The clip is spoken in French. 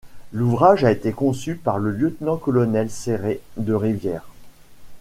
L’ouvrage a été conçu par le lieutenant-colonel Séré de Rivières.